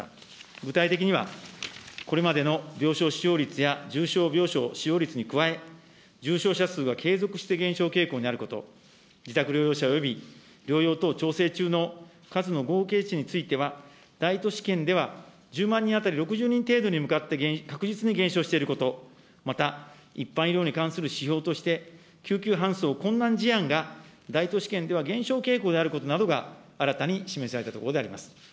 具体的には、これまでの病床使用率や重症病床使用率に加え、重症者数は継続して減少傾向にあること、自宅療養者および療養等調整中の数の合計値については、大都市圏では１０万人当たり６０人程度に向かって確実に減少していること、また、一般医療に関する指標として、救急搬送困難事案が大都市圏では減少傾向であることなどが新たに示されたところであります。